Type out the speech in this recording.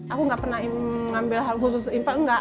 aku nggak pernah mengambil hal khusus infal nggak